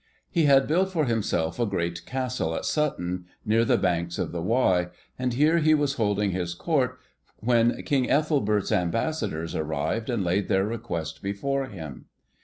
He had built for himself a great Castle at Sutton, near the banks of the Wye, and here he was holding his Court when King Ethelbert's Ambassadors arrived, and laid their request before him.